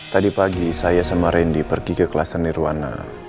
tadi pagi saya sama rendy pergi ke kelas ternirwana